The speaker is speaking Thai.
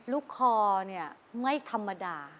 ลูกคอไม่ธรรมดา